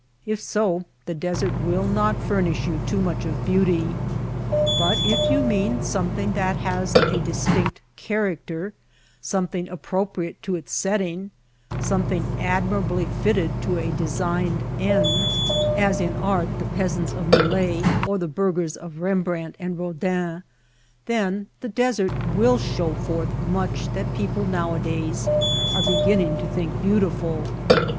If so the desert will not furnish you too much of beauty. But if you mean some thing that has a distinct character, something appropriate to its setting, something admirably fitted to a designed end (as in art the peasants of Millet or the burghers of Kembrandt and Rodin), then the desert will show forth much that people nowadays are beginning to think beautiful.